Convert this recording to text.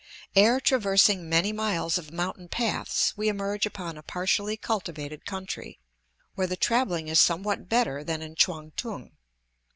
Ere traversing many miles of mountain paths we emerge upon a partially cultivated country, where the travelling is somewhat better than in Quang tung.